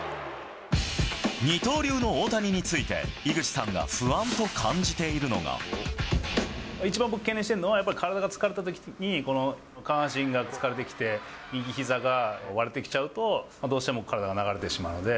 二刀流の大谷について井口さ一番僕、懸念しているのは、やっぱり体が疲れたときに、下半身が疲れてきて、右ひざが割れてきちゃうと、どうしても体が流れてしまうので。